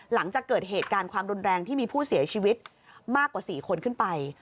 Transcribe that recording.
หลังจากเกิดเหตุการณ์ความรุนแรงที่มีผู้เสียชีวิตมากกว่า๔คนขึ้นไป